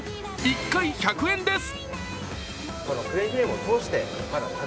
１回１００円です。